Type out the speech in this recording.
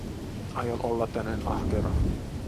Aion olla tänään ahkera.